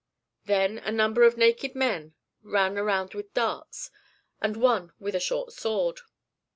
Then a number of naked men ran around with darts, and one with a short sword.